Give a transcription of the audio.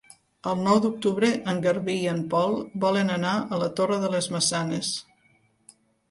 El nou d'octubre en Garbí i en Pol volen anar a la Torre de les Maçanes.